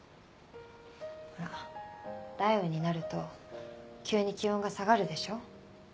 ほら雷雨になると急に気温が下がるでしょ？